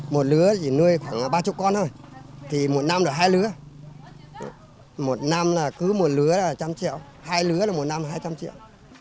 một lứa chỉ nuôi khoảng ba mươi con thôi thì một năm là hai lứa một năm là cứ một lứa là trăm trẹo hai lứa là một năm hai trăm linh triệu